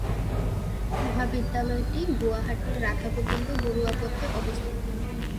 মহাবিদ্যালয়টি গুয়াহাটির রাধাগোবিন্দ বরুয়া পথে অবস্থিত।